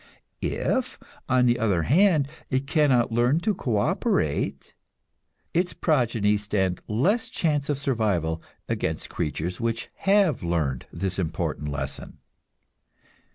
If, on the other hand, it cannot learn to co operate, its progeny stand less chance of survival against creatures which have learned this important lesson.